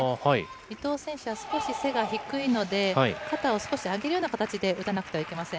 伊藤選手は少し背が低いので、肩を少し上げるような形で打たなくてはいけません。